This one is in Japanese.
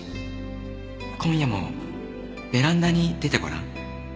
「今夜もベランダに出てごらん」